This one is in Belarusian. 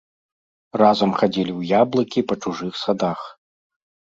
Разам хадзілі ў яблыкі па чужых садах.